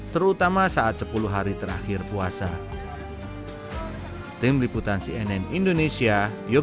terutama saat sepuluh hari terakhir puasa